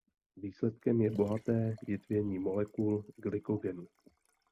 Výsledkem je bohaté větvení molekul glykogenu.